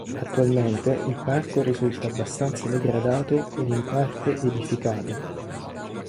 Attualmente il parco risulta abbastanza degradato ed in parte edificato.